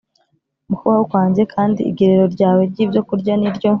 Mu kubaho kwanjye kandi igerero ryawe ry’ibyo kurya ni iryo